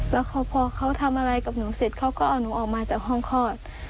แล้วพอเขาทำอะไรกับหนูเสร็จเขาก็เอาหนูออกมาจากห้องคลอด